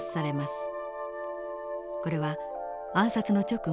これは暗殺の直後